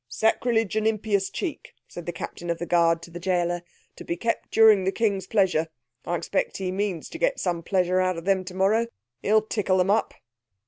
"Sacrilege, and impious cheek," said the captain of the guard to the gaoler. "To be kept during the King's pleasure. I expect he means to get some pleasure out of them tomorrow! He'll tickle them up!"